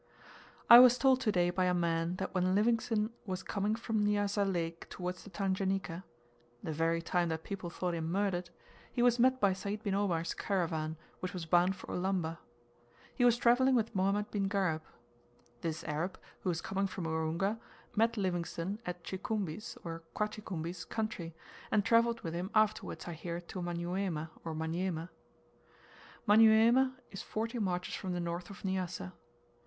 I was told to day by a man that when Livingstone was coming from Nyassa Lake towards the Tanganika (the very time that people thought him murdered) he was met by Sayd bin Omar's caravan, which was bound for Ulamba. He was travelling with Mohammed bin Gharib. This Arab, who was coming from Urunga, met Livingstone at Chi cumbi's, or Kwa chi kumbi's, country, and travelled with him afterwards, I hear, to Manyuema or Manyema. Manyuema is forty marches from the north of Nyassa.